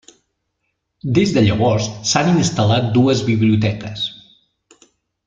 Des de llavors s'han instal·lat dues biblioteques.